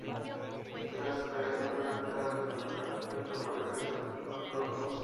Tras caer por la ventana del departamento, el lobo regresa al club nocturno.